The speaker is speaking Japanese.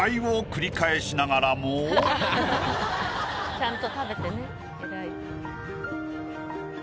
ちゃんと食べてね偉い。